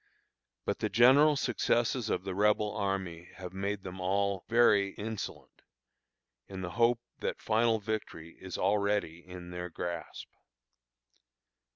But the general successes of the Rebel army have made them all very insolent, in the hope that final victory is already in their grasp.